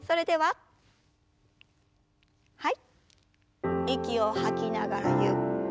はい。